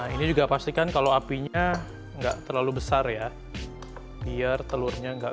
ini juga pastikan kalau apinya enggak terlalu besar ya biar telurnya enggak